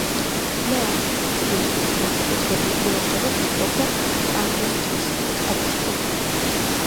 ლეონიდ კულიკის განსაკუთრებულ ყურადღებას იპყრობდა ტუნგუსკის კატასტროფა.